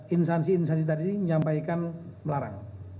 insanitari menyampaikan melarang